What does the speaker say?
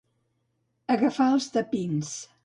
Agafar els tapins.